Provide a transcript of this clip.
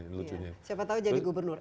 siapa tau jadi gubernur